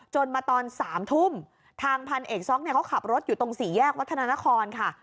มาตอน๓ทุ่มทางพันเอกซ็อกเนี่ยเขาขับรถอยู่ตรงสี่แยกวัฒนานครค่ะ